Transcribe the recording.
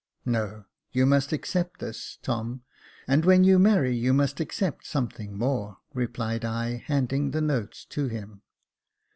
" No ; you must accept this, Tom ; and when you marry you must accept something more," replied I, handing the notes to him.